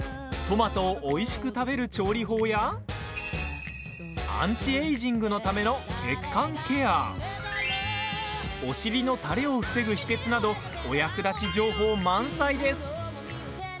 トマトをおいしく食べる調理法やアンチエイジングのための血管ケアお尻の垂れを防ぐ秘けつなどお役立ち情報満載です。